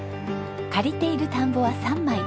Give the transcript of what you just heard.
借りている田んぼは３枚。